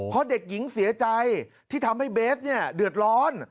เพราะเด็กหญิงเสียใจที่ทำให้เบสเนี่ยเดือดร้อน